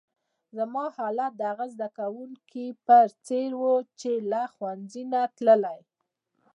زما حالت د هغه زده کونکي په څېر وو، چي له ښوونځۍ نه تللی.